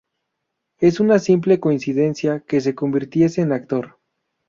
Es una simple coincidencia que se convirtiese en actor.